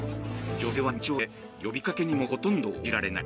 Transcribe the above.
女性は認知症で呼びかけにもほとんど応じられない。